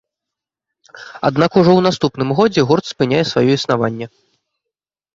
Аднак ужо ў наступным годзе гурт спыняе сваё існаванне.